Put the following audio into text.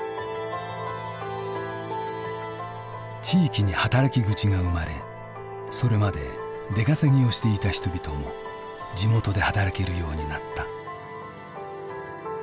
地域に働き口が生まれそれまで出稼ぎをしていた人々も地元で働けるようになった。